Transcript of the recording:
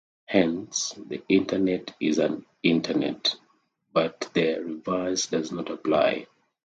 Hence, the Internet is an internet, but the reverse does not apply.